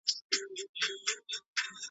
د ورور په وینو پړسېدلي پیدا نه سمیږو .